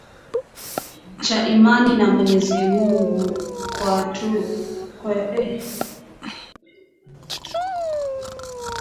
cha imani kwa Mwenyezi Mungu na Tumwa Muhammadi